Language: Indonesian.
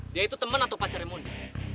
dia itu temen atau pacarnya moni